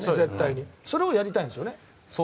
それをやりたいんですよね。